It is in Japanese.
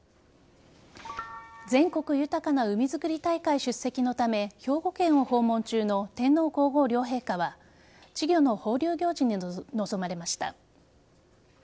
全国豊かな海づくり大会出席のため、兵庫県を訪問中の天皇皇后両陛下は稚魚の放流行事に臨まれました。